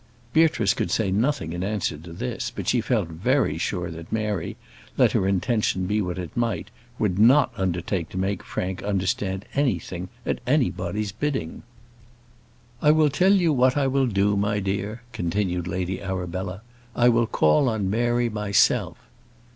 Beatrice could say nothing in answer to this; but she felt very sure that Mary, let her intention be what it might, would not undertake to make Frank understand anything at anybody's bidding. "I will tell you what I will do, my dear," continued Lady Arabella; "I will call on Mary myself."